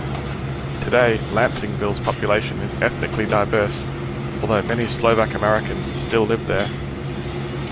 Today, Lansingville's population is ethnically diverse, although many Slovak-Americans still live there.